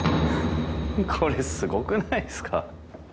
これすごくないですか？